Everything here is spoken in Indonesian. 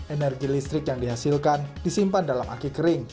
energi listrik yang dihasilkan disimpan dalam aki kering